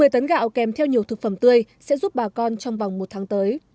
một mươi tấn gạo kèm theo nhiều thực phẩm tươi sẽ giúp bà con trong vòng một tháng tới